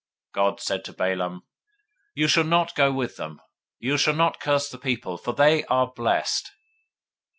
022:012 God said to Balaam, You shall not go with them; you shall not curse the people; for they are blessed.